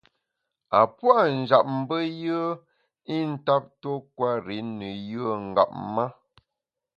A puâ’ njap mbe yùe i ntap tuo kwer i ne yùe ngap ma.